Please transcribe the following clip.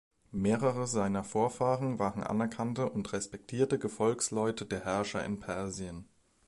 Mehrere seiner Vorfahren waren anerkannte und respektierte Gefolgsleute der Herrscher in Persien.